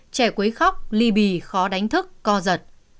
trẻ quấy khóc ly bì khó đánh thức co giật